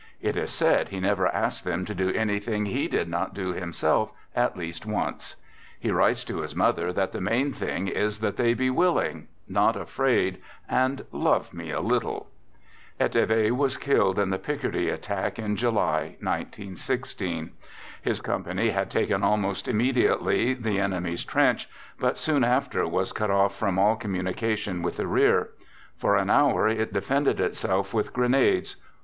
It is said he never asked them to do anything he did not do himself " at least once." He writes to his mother that the main thing is that they be willing, not afraid, and " love me a little." 52 Digitized by THE GOOD SOLDIER " 53 Eteve was killed in the Picardy attack in July, 1916. His company had taken almost immediately the enemy's trench, but soon after was cut off from all communication with the rear. For an hour it defended itself with grenades.